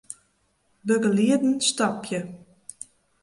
Begelieden stopje.